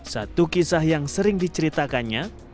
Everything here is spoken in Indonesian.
satu kisah yang sering diceritakannya